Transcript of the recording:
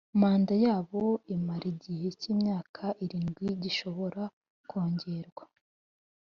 manda yabo imara igihe cy imyaka irindwi gishobora kongerwa